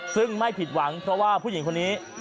ซึ่งไม่ผิดหวังเพราะว่าผู้หญิงคนนี้